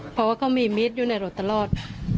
เพราะว่าเขามีมีดอยู่ในรถตลอด